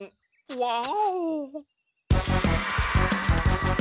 ワオ！